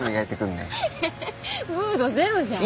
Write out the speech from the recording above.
ムードゼロじゃん。